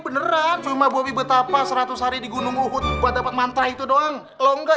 beneran cuma bobi betapa seratus hari di gunung uhud buat dapat mantah itu doang longga